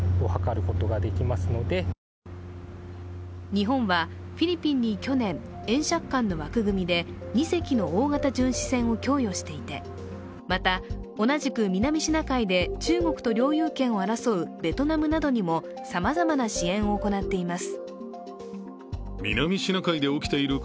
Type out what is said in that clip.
日本はフィリピンに去年、円借款の枠組みで２隻の大型巡視船を供与していてまた、同じく南シナ海で中国と領有権を争うベトナムなどにもさまざまな支援を行っています。